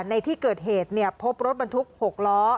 ในที่เกิดเหตุพบรถบรรทุก๖ล้อ